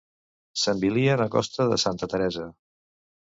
S'envilien a costa de Santa Teresa.